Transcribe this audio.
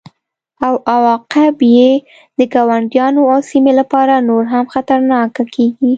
او عواقب یې د ګاونډیانو او سیمې لپاره نور هم خطرناکه کیږي